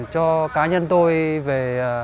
cho cá nhân tôi về